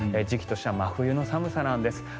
時期としては真冬の寒さなんです。